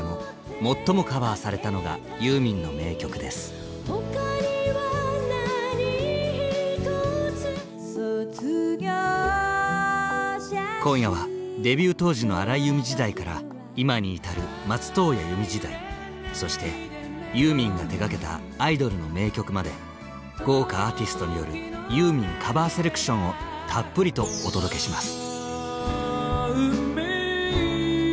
この春９年目を迎えた「ＴｈｅＣｏｖｅｒｓ」でも今夜はデビュー当時の「荒井由実時代」から今に至る「松任谷由実時代」そしてユーミンが手がけた「アイドルの名曲」まで豪華アーティストによる「ユーミン・カバーセレクション」をたっぷりとお届けします！